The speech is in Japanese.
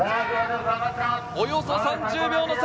およそ３０秒の差。